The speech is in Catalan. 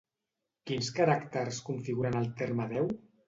Quins caràcters configuren el terme Déu?